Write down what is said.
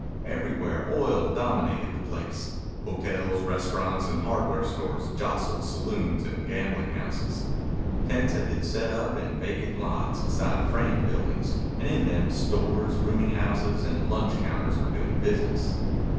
Everywhere oil dominated the place. Hotels, restaurants, and hardware stores jostled saloons and gambling houses. Tents had been set up in vacant lots beside frame buildings, and in them stores, rooming houses, and lunch counters were doing business.